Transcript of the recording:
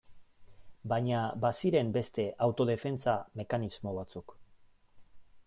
Baina baziren beste autodefentsa mekanismo batzuk.